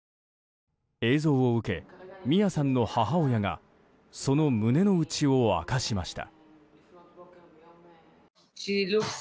映像を受け、ミアさんの母親がその胸の内を明かしました。